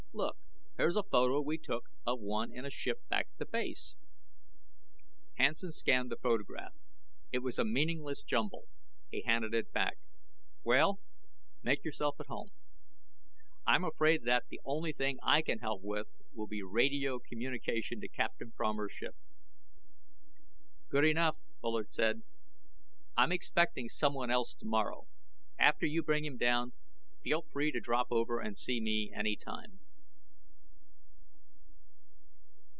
Look! Here's a photo we took of one in a ship back at base." Hansen scanned the photograph. It was a meaningless jumble. He handed it back. "Well, make yourself at home. I'm afraid that the only thing I can help with will be radio communication to Captain Fromer's ship." "Good enough," Bullard said. "I'm expecting someone else tomorrow. After you bring him down, feel free to drop over and see me anytime."